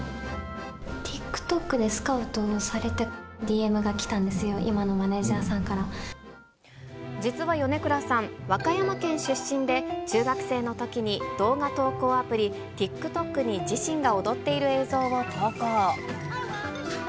ＴｉｋＴｏｋでスカウトされて、ＤＭが来たんですよ、実は米倉さん、和歌山県出身で、中学生のときに動画投稿アプリ、ＴｉｋＴｏｋに自身が踊っている映像を投稿。